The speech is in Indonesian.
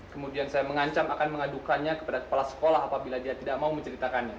kemudian saya mengancam akan mengadukannya kepada kepala sekolah apabila dia tidak mau menceritakannya